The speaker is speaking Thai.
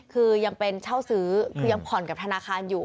คือยังเป็นเช่าซื้อคือยังผ่อนกับธนาคารอยู่